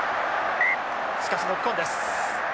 しかしノックオンです。